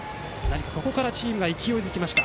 ここからチームが勢いづきました。